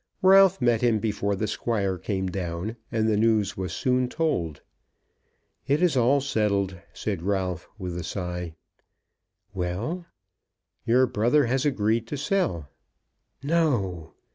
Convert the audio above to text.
Ralph met him before the Squire came down, and the news was soon told. "It is all settled," said Ralph, with a sigh. "Well?" "Your brother has agreed to sell." "No!"